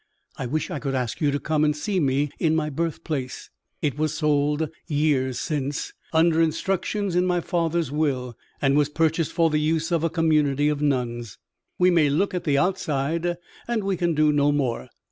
I wish I could ask you to come and see me in my birth place. It was sold, years since, under instructions in my father's will, and was purchased for the use of a community of nuns. We may look at the outside, and we can do no more.